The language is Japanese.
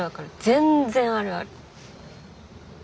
全然あるある。